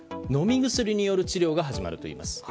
飲み薬による治療が始まるといいます。